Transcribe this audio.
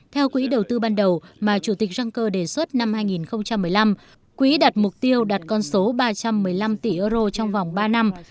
theo quỹ đầu tư ban đầu mà chủ tịch juncker đề xuất năm hai nghìn một mươi năm quỹ đặt mục tiêu đạt con số ba trăm một mươi năm tỷ euro trong vòng ba năm